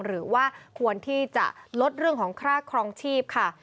หรือว่าควรที่จะลดเรื่องของค่าครองชีพค่ะ